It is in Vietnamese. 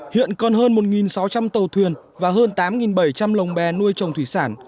hiện còn hơn một sáu trăm linh tàu thuyền và hơn tám bảy trăm linh lồng bè nuôi trồng thủy sản